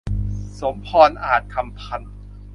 สมพร อาจคำพันธ์